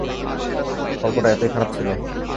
গল্পটা এতই খারাপ ছিলো?